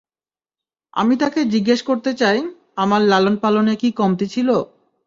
আমি তাকে জিজ্ঞাসা করতে চাই, আমার লালন-পালনে কি কমতি ছিল।